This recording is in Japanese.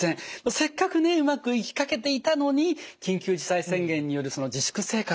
せっかくねうまくいきかけていたのに緊急事態宣言による自粛生活